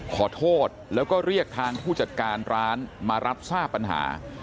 ขอโทษแล้วก็เรียกทางผู้จัดการร้านมารับทราบปัญหา